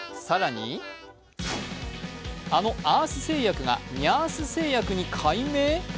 更に、あのアース製薬がニャース製薬に改名？